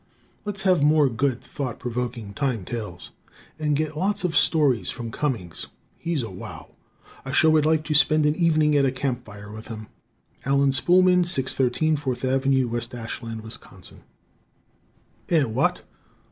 Let's have more good thought provoking time tales. And get lots of stories from Cummings he's a wow. I sure would like to spend an evening at a campfire with him. Allen Spoolman, 613 4th Avenue, W., Ashland, Wisc. "_Eh, What?